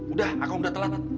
udah akan udah telat